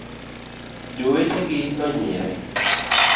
Jowete gi nonyiere.